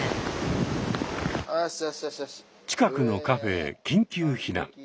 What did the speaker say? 近くのカフェへ緊急避難。